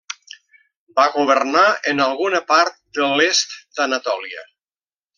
Va governar en alguna part de l'est d'Anatòlia.